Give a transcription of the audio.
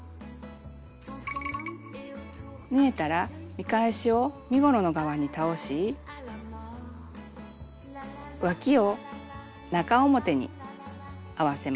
縫えたら見返しを身ごろの側に倒しわきを中表に合わせます。